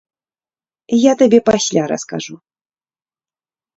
Я табе пасля раскажу.